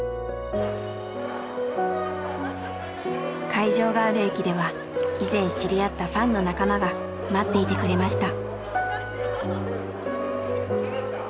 会場がある駅では以前知り合ったファンの仲間が待っていてくれました。